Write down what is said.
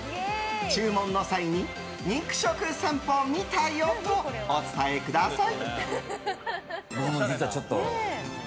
注文の際に、肉食さんぽ見たよとお伝えください。